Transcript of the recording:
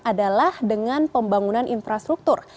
adalah dengan pembangunan infrastruktur